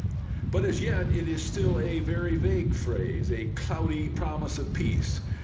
But as yet it is still a very vague phrase, a cloudy promise of peace.